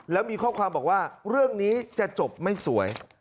แล้วมีข้อความบอกว่าเรื่องนี้จะจบไม่สวย